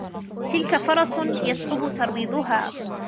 تلك فرس يصعب ترويضها.